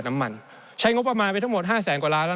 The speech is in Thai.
ในช่วงที่สุดในรอบ๑๖ปี